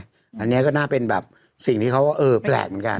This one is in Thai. อันนี้ก็น่าเป็นแบบสิ่งที่เขาว่าเออแปลกเหมือนกัน